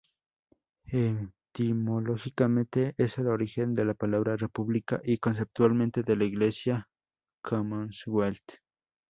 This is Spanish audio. Etimológicamente, es el origen de la palabra "república" y, conceptualmente, de la inglesa "commonwealth".